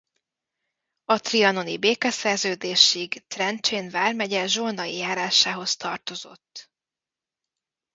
A trianoni békeszerződésig Trencsén vármegye Zsolnai járásához tartozott.